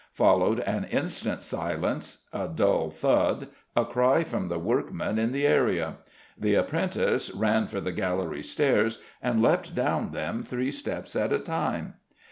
Followed an instant's silence, a dull thud, a cry from the workmen in the area. The apprentice ran for the gallery stairs and leapt down them, three steps at a time.